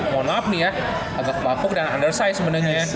mohon maaf nih ya agak kebapuk dan undersized